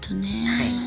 はい。